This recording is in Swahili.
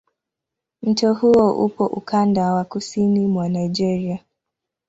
Mto huo upo ukanda wa kusini mwa Nigeria.